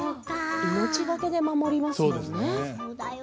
命懸けで守りますもんね。